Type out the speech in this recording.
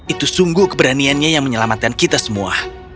itu sungguh keberaniannya yang menyelamatkan kita semua